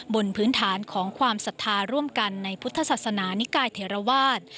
บนพื้นฐานของความศรัทธาร่วมกันในพุทธศาสนานิกายเทราวาส